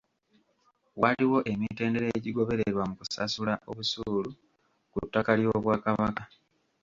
Waliwo emitendera egigobererwa mu kusasula obusuulu ku ttaka ly'Obwakabaka.